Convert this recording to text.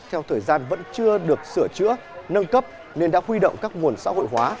theo thời gian vẫn chưa được sửa chữa nâng cấp nên đã huy động các nguồn xã hội hóa